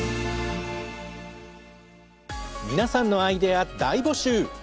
皆さんのアイデア大募集！